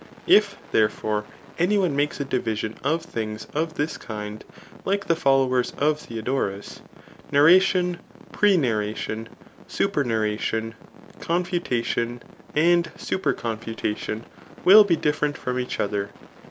If, therefore, any one makes a division of things of this kind, like the followers of Theo dorus, narration, pre narration, supemarration, confuta tion and superconfutation, will be different from each other.